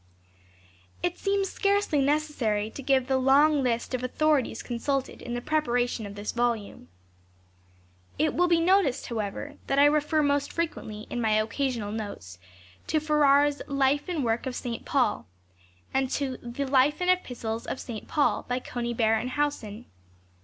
It seems scarcely necessary to give the long list of authorities consulted in the preparation of this volume. It will be noticed, however, that I refer most frequently in my occasional notes to Farrar's " Life and Work of St. Paul," and to "The Life and Epistles of St. Paul " by Conybearc and Howson.